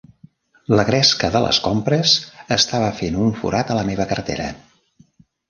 La gresca de les compres estava fent un forat a la meva cartera.